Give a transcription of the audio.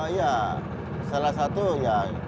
ya salah satu ya